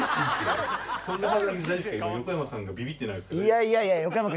横山さんがビビってないですか？